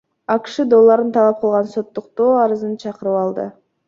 АКШ долларын талап кылган соттук доо арызын чакырып алды.